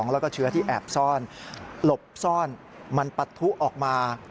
แล้วก็เชื้อที่แอบซ่อนหลบซ่อนมันปะทุออกมา